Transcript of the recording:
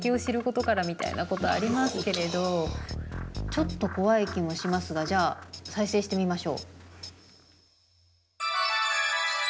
ちょっと怖い気もしますがじゃあ再生してみましょう。